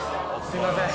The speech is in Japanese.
すいません。